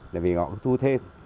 tại vì họ thu thêm